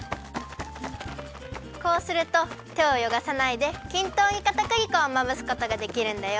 こうするとてをよごさないできんとうにかたくり粉をまぶすことができるんだよ。